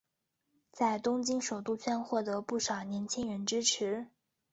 在东京首都圈获得不少年轻人支持。